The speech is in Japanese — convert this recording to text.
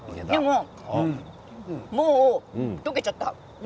もう溶けちゃった。